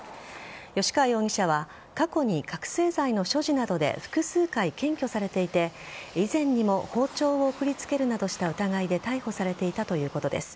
吉川容疑者は過去に覚醒剤の所持などで複数回、検挙されていて以前にも包丁を送りつけるなどした疑いで逮捕されていたということです。